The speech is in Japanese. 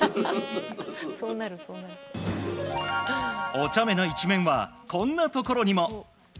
おちゃめな一面はこんなところにも。